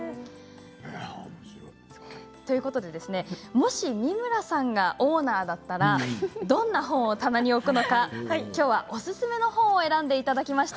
もし、美村さんがオーナーだったらどんな本を棚に置くのかきょうは、おすすめの本を選んでいただきました。